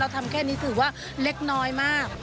ทำแค่นี้ถือว่าเล็กน้อยมาก